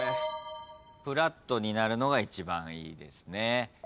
フラットになるのが一番いいですね。